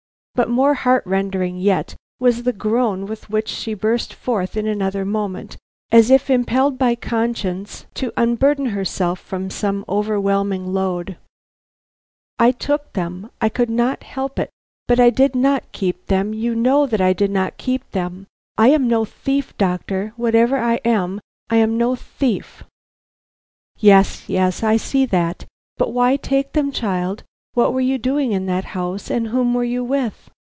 But more heartrending yet was the groan with which she burst forth in another moment, as if impelled by conscience to unburden herself from some overwhelming load: "I took them; I could not help it; but I did not keep them; you know that I did not keep them. I am no thief, doctor; whatever I am, I am no thief." "Yes, yes, I see that. But why take them, child? What were you doing in that house, and whom were you with?"